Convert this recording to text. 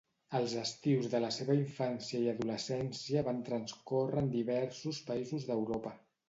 Els estius de la seva infància i adolescència van transcórrer en diversos països d'Europa.